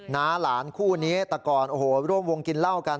้าหลานคู่นี้แต่ก่อนโอ้โหร่วมวงกินเหล้ากัน